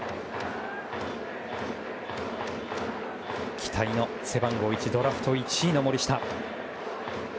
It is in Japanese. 期待の背番号１ドラフト１位の森下。